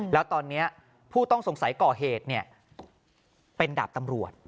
แล้วตอนนี้ผู้ต้องสงสัยก่อเหตุเป็นดาบตำรวจ